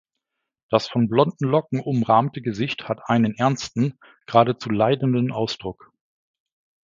Das von blonden Locken umrahmte Gesicht hat einen ernsten, geradezu leidenden Ausdruck.